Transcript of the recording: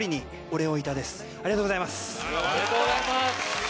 おめでとうございます！